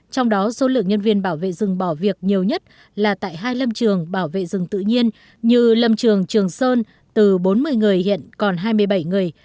trong đó số lượng nhân viên bảo vệ rừng bỏ việc nhiều nhất là tại hai lâm trường bảo vệ rừng tự nhiên như lâm trường trường sơn từ bốn mươi người hiện còn hai mươi bảy người